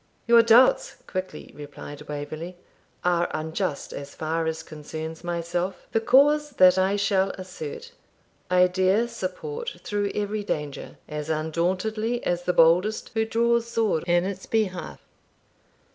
'Your doubts,' quickly replied Waverley, 'are unjust as far as concerns myself. The cause that I shall assert, I dare support through every danger, as undauntedly as the boldest who draws sword in its behalf.'